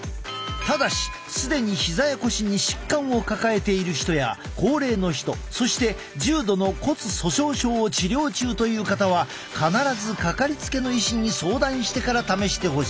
ただし既にひざや腰に疾患を抱えている人や高齢の人そして重度の骨粗しょう症を治療中という方は必ず掛かりつけの医師に相談してから試してほしい。